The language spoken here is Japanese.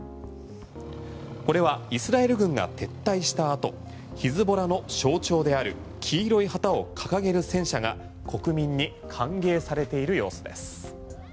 これはイスラエル軍が撤退した後ヒズボラの象徴である黄色い旗を掲げる戦車が国民に歓迎されている様子です。